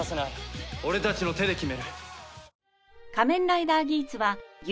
俺たちの手で決める。